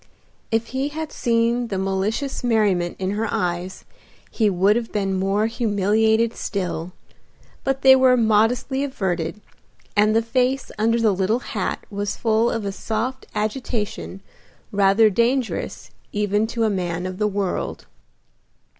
If he had seen the malicious merriment in her eyes he would have been more humiliated still, but they were modestly averted, and the face under the little hat was full of a soft agitation rather dangerous even to a man of the world.